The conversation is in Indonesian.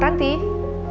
tante apa kabar